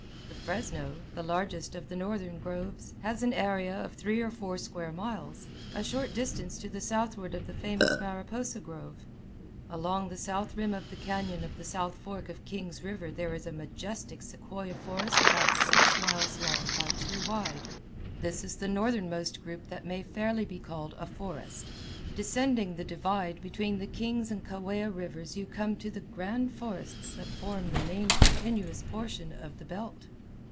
The Fresno, the largest of the northern groves, has an area of three or four square miles, a short distance to the southward of the famous Mariposa grove. Along the south rim of the cañon of the south fork of Kings River there is a majestic sequoia forest about six miles long by two wide. This is the northernmost group that may fairly be called a forest. Descending the divide between the Kings and Kaweah Rivers you come to the grand forests that form the main continuous portion of the belt.